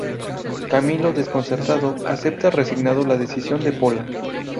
Camilo, desconcertado, acepta resignado la decisión de Pola.